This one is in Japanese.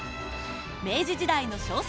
明治時代の小説